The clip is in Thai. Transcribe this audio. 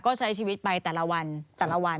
ก็ใช้ชีวิตไปแต่ละวัน